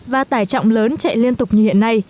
và tải trọng lớn chạy liên tục như hiện nay